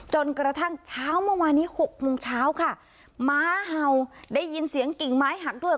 จนกระทั่งเช้าเมื่อวานนี้หกโมงเช้าค่ะม้าเห่าได้ยินเสียงกิ่งไม้หักด้วย